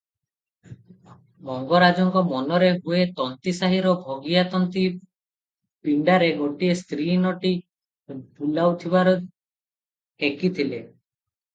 ମଙ୍ଗରାଜଙ୍କ ମନରେ ହୁଏ ତନ୍ତୀ ସାହିର ଭଗିଆ ତନ୍ତୀ ପିଣ୍ତାରେ ଗୋଟିଏ ସ୍ତ୍ରୀ ନଟି ବୁଲାଉଥିବାର ହେଖିଥିଲେ ।